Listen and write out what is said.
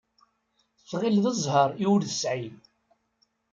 Tɣill d ẓẓher i ur tesεi.